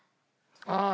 ああ。